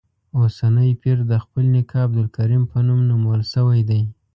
اوسنی پیر د خپل نیکه عبدالکریم په نوم نومول شوی دی.